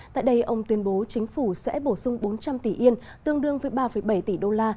tại đây ông tuyên bố chính phủ sẽ bổ sung bốn trăm linh tỷ yên tương đương với ba bảy tỷ đô la